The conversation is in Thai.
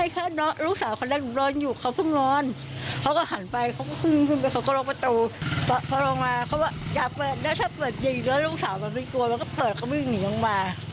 เขาลงมาเขาบอกอย่าเปิดแล้วถ้าเปิดยิงแล้วลูกสาวมันไม่กลัวแล้วก็เปิดเขามันไม่หนีลงมา